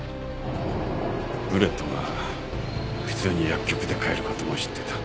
ブレトが普通に薬局で買える事も知ってた。